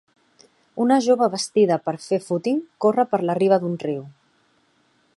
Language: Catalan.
Una jove vestida per fer fúting corre per la riba d'un riu.